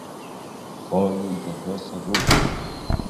Foi un proceso duro.